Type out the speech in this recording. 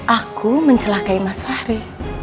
aku mencelakai mas fahri